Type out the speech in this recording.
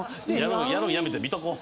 やるんやめて見とこう。